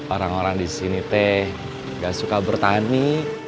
orang orang disini teh ga suka bertani